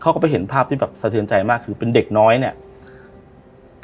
เขาก็ไปเห็นภาพที่แบบสะเทือนใจมากคือเป็นเด็กน้อยเนี่ย